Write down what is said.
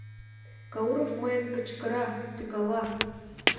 Кауров мыйым кычкыра, тӱкала: